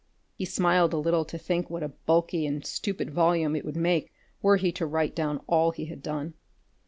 He smiled a little to think what a bulky and stupid volume it would make were he to write down all he had done.